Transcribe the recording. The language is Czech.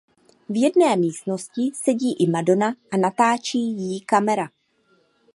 V jedné místnosti sedí i Madonna a natáčí jí kamera.